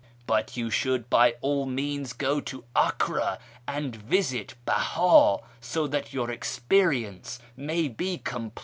But you should by all means go to Acre, and visit Beha, so that your experience may be comj^lete."